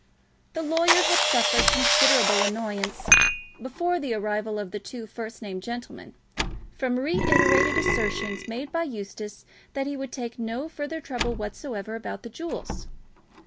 The lawyer had suffered considerable annoyance, before the arrival of the two first named gentlemen, from reiterated assertions made by Eustace that he would take no further trouble whatsoever about the jewels.